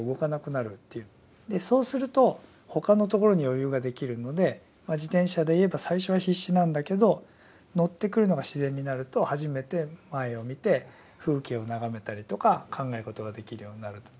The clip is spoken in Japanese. そうすると他のところに余裕ができるので自転車でいえば最初は必死なんだけど乗ってくるのが自然になると初めて前を見て風景を眺めたりとか考え事ができるようになると。